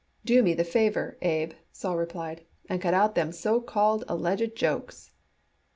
"Do me the favor, Abe," Sol replied, "and cut out them so called alleged jokes."